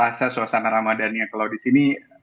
pasang suasana ramadhan yang kalau di sini